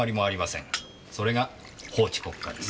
それが法治国家です。